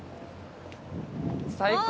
最高！